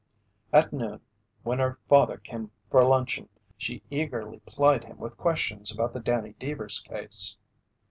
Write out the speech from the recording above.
At noon when her father came for luncheon, she eagerly plied him with questions about the Danny Deevers case.